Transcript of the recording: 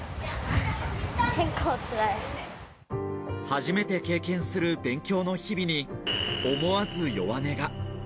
初めて経験する勉強の日々に思わず弱音が。